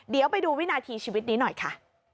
เดี๋ยวไปดูวินาทีชีวิตนี้หน่อยค่ะ